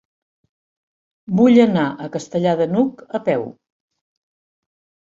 Vull anar a Castellar de n'Hug a peu.